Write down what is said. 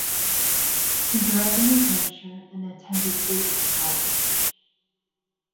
He grew up in New Hampshire and attended Bates College.